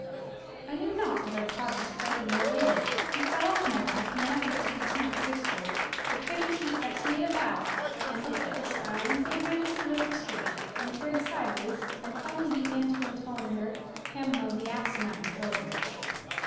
I knew not whether Pod was frightened or elated; he fell off my back in an effort to dismount gracefully. The pretty chieftess made a bow, and looked at the sky, and played nervously with her skirt, and turned side ways, and finally began to intone her "Him of the Asinine Pilgrimage."